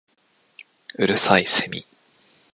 五月蠅いセミ